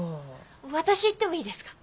私行ってもいいですか？